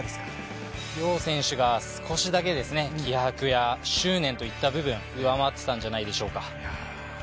楊選手が少しだけ気迫や執念といった部分、上回っていたんじゃないでしょうか。